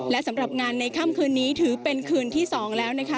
และสำหรับงานในค่ำคืนนี้ถือเป็นคืนที่๒แล้วนะคะ